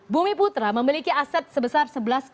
bumi putra memiliki aset sebesar